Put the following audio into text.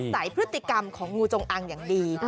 ใส่พฤติกรรมของงูจงอางอย่างดี